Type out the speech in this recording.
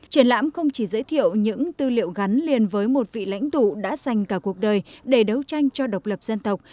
triển lãm không chỉ giới thiệu những tư liệu gắn liền với một vị lãnh tụ đã dành cả cuộc đời để đấu tranh cho độc lập dân tộc